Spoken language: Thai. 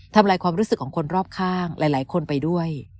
ลายความรู้สึกของคนรอบข้างหลายคนไปด้วย